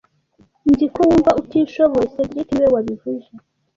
Nzi ko wumva utishoboye cedric niwe wabivuze